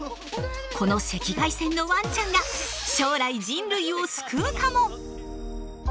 この赤外線のワンちゃんが将来人類を救うかも！？